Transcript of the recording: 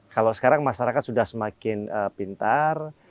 kalau sekarang masyarakat sudah semakin pintar